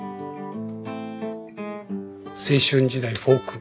青春時代フォーク。